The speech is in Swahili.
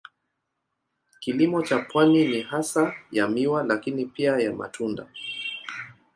Kilimo cha pwani ni hasa ya miwa lakini pia ya matunda.